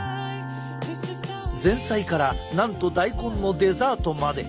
前菜からなんと大根のデザートまで！